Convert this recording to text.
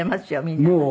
みんなが。